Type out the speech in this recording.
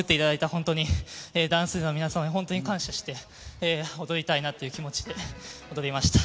本当に、ダンスの皆さんに本当に感謝して、踊りたいなっていう気持ちで踊りました。